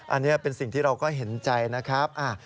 อันนี้เป็นสิ่งที่เราก็เห็นใจนะครับ